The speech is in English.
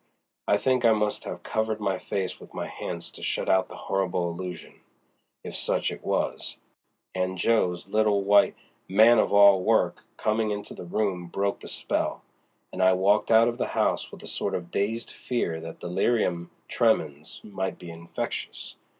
I think I must have covered my face with my hands to shut out the horrible illusion, if such it was, and Jo.'s little white man of all work coming into the room broke the spell, and I walked out of the house with a sort of dazed fear that delirium tremens might be infectious.